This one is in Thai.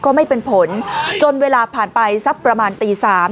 ไม่เป็นผลจนเวลาผ่านไปสักประมาณตีสาม